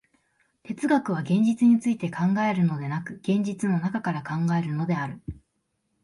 哲学は現実について考えるのでなく、現実の中から考えるのである。